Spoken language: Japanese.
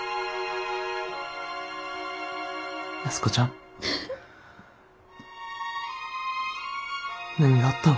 安子ちゃん。何があったん？